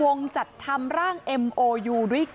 ลาออกจากหัวหน้าพรรคเพื่อไทยอย่างเดียวเนี่ย